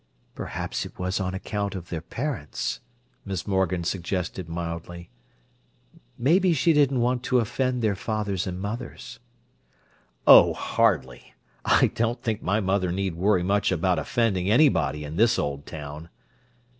"Perhaps it was on account of their parents," Miss Morgan suggested mildly. "Maybe she didn't want to offend their fathers and mothers." "Oh, hardly! I don't think my mother need worry much about offending anybody in this old town."